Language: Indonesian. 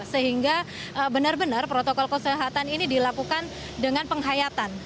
sehingga benar benar protokol kesehatan ini dilakukan dengan penghayatan